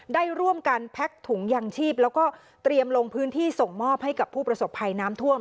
ได้ร่วมกันแพ็กถุงยางชีพแล้วก็เตรียมลงพื้นที่ส่งมอบให้กับผู้ประสบภัยน้ำท่วม